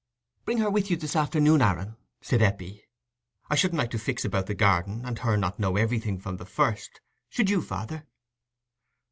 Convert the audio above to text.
"Bring her with you this afternoon, Aaron," said Eppie; "I shouldn't like to fix about the garden, and her not know everything from the first—should you, father?"